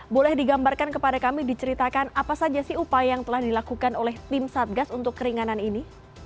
boleh digambarkan kepada kami diceritakan apa saja sih upaya yang telah dilakukan oleh tim satgas untuk keringanan ini